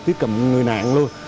tiếp cận người nạn luôn